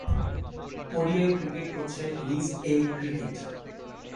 ODI cricket হচ্ছে List A cricket.